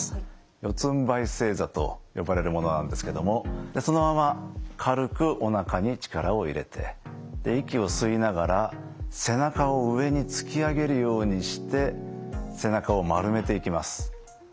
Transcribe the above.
四つんばい正座と呼ばれるものなんですけれどもそのまま軽くおなかに力を入れて息を吸いながら背中を上に突き上げるようにして背中を丸めていきます。